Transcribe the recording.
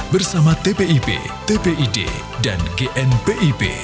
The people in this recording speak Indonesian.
bersama tpip tpid dan gnpip